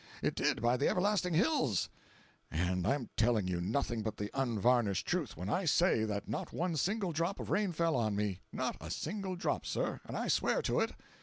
It did, by the everlasting hills! And I'm telling you nothing but the unvarnished truth when I say that not one single drop of rain fell on me—not a single drop, sir! And I swear to it!